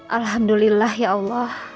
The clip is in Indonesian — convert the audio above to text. alhamdulillah ya allah